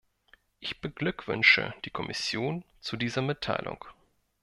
Ich beglückwünsche die Kommission zu dieser Mitteilung.